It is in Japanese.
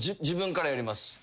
自分からやります。